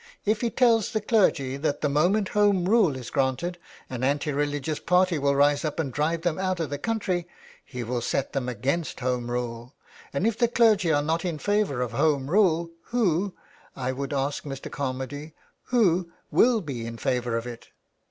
If he tells the clergy that the moment Home Rule is granted an anti religious party will rise up and drive them out of the country, he will set them against Home Rule, and if the clergy are not in favour of Home Rule who, I would ask Mr. Carmady, who will be in favour of it?